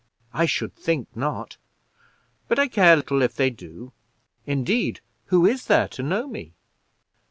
"I should think not; but I care little if they do. Indeed, who is thee to know me?"